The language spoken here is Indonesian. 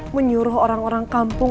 menyuruh orang orang kampung